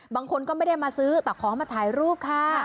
บางคนก็ไม่ได้มาซื้อแต่ของมาถ่ายรูปค่ะ